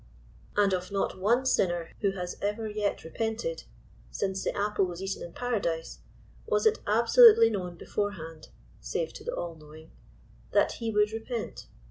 And of not one sinner who has ever yet repented, since the apple was eaten in Paradise* was it absolutely known beforehand — save to the All*knowing— * that he would repent.